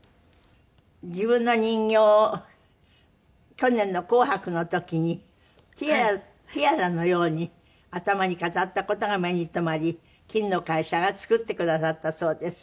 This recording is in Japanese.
自分の人形を去年の『紅白』の時にティアラのように頭に飾った事が目に留まり金の会社が作ってくださったそうです。